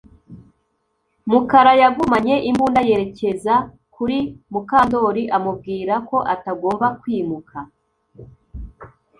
Mukara yagumanye imbunda yerekeza kuri Mukandoli amubwira ko atagomba kwimuka